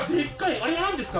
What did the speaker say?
あれは何ですか？